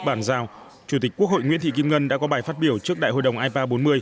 bàn giao chủ tịch quốc hội nguyễn thị kim ngân đã có bài phát biểu trước đại hội đồng ipa bốn mươi